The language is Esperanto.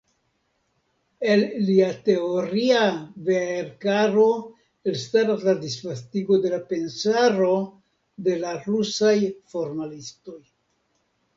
El lia teoria veerkaro elstaras la disvastigo de la pensaro de la rusaj formalistoj.